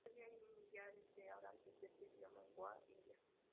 Todavía hay millares de hablantes de este idioma en Goa, India.